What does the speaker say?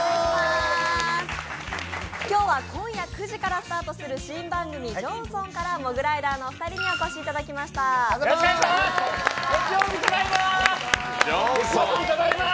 今日は今夜９時からスタートする新番組「ジョンソン」からモグライダーのお二人にお越しいただきました「ジョンソン」！